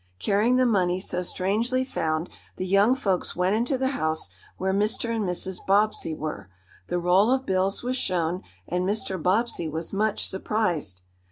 Carrying the money so strangely found, the young folks went into the house where Mr. and Mrs. Bobbsey were. The roll of bills was shown, and Mr. Bobbsey was much surprised.